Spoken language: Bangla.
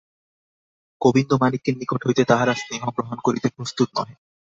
গোবিন্দমাণিক্যের নিকট হইতে তাহারা স্নেহ গ্রহণ করিতে প্রস্তুত নহে।